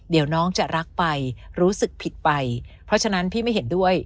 เดี๋ยวน้องจะรักไปรู้สึกผิดไปเพราะฉะนั้นพี่ไม่เห็นด้วย